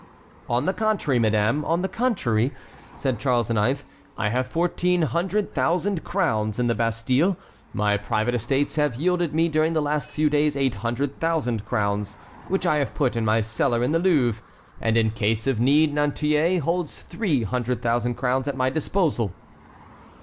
"On the contrary, madame, on the contrary," said Charles IX., "I have fourteen hundred thousand crowns in the Bastille; my private estates have yielded me during the last few days eight hundred thousand crowns, which I have put in my cellar in the Louvre, and in case of need Nantouillet holds three hundred thousand crowns at my disposal."